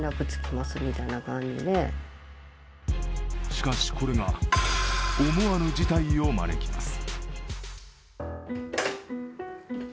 しかし、これが思わぬ事態を招きます。